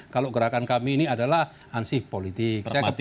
kalau gerakan kami ini adalah ansih politik